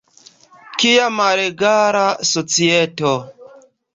Kia malegala societo!